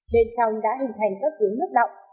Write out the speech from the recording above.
bên trong đã hình thành các tướng nước đọng